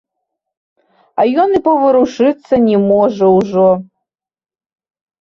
А ён і паварушыцца не можа ўжо.